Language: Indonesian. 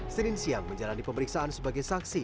senin siang menjalani pemeriksaan sebagai saksi